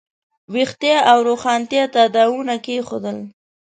د ویښتیا او روښانتیا تاداوونه کېښودل.